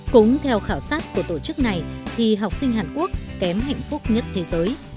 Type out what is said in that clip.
cũng theo khảo sát của tổ chức này thì học sinh hàn quốc kém hạnh phúc nhất thế giới